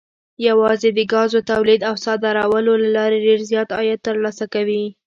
یوازې د ګازو تولید او صادرولو له لارې ډېر زیات عاید ترلاسه کوي.